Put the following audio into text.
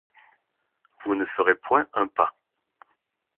Vous ne ferez point un pas.